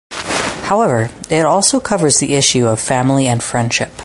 However it also covers the issue family and friendship.